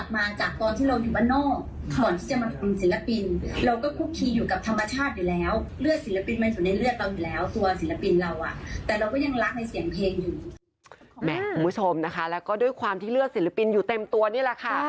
คุณผู้ชมนะคะแล้วก็ด้วยความที่เลือดศิลปินอยู่เต็มตัวนี่แหละค่ะ